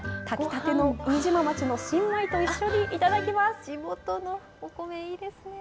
炊きたての飯島町の新米と一緒に頂きます。